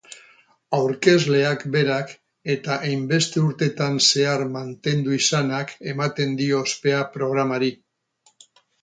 Aurkezleak berak eta hainbeste urtetan zehar mantendu izanak ematen dio ospea programari.